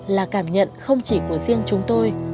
là cảm nhận không chỉ của riêng chúng tôi